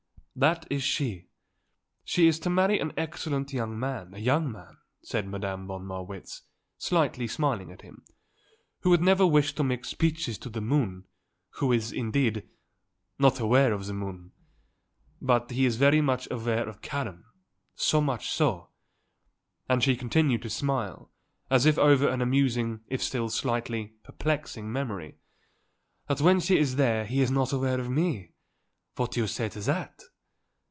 "That is she. She is to marry an excellent young man, a young man," said Madame von Marwitz, slightly smiling at him, "who would never wish to make speeches to the moon, who is, indeed, not aware of the moon. But he is very much aware of Karen; so much so," and she continued to smile, as if over an amusing if still slightly perplexing memory, "that when she is there he is not aware of me. What do you say to that?"